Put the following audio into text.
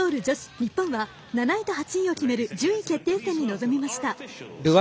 日本は７位と８位を決める順位決定戦に臨みました。